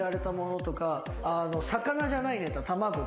魚じゃないネタたまご